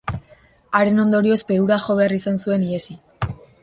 Haren ondorioz, Perura jo behar izan zuen ihesi.